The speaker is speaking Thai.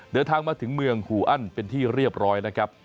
เดินทางมาถึงเมืองฮูอันเป็นที่เรียบร้อยนะครับ